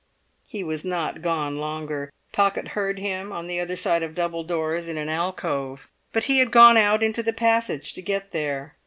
He was not gone longer. Pocket heard him on the other side of double doors in an alcove; but he had gone out into the passage to get there.